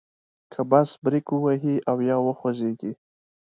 که بس بریک ووهي او یا وخوځیږي.